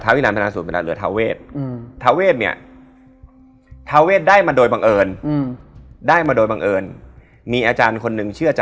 คราวนี้เราไปตะเวนเหนือเนอะ